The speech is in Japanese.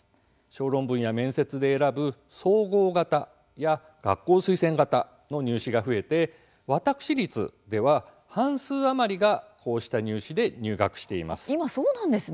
小論文や面接で選ぶ総合型や学校推薦型の入試が増えて私立では半数余りが今、そうなんですね。